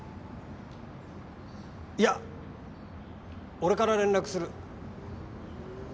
いや俺から連絡する。